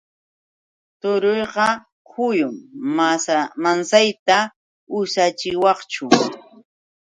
Turuyqa huyum. ¿Mansayta ushachiwaqchu?